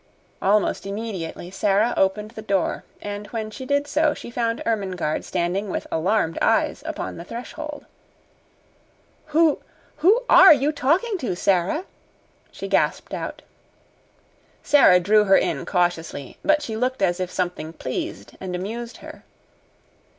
Almost immediately Sara opened the door, and when she did so she found Ermengarde standing with alarmed eyes upon the threshold. "Who who ARE you talking to, Sara?" she gasped out. Sara drew her in cautiously, but she looked as if something pleased and amused her.